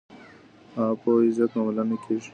او په عزت معامله نه کېږي.